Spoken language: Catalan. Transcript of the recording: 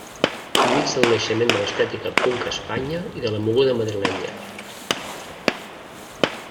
En mig del naixement de l'estètica punk a Espanya i de la moguda madrilenya.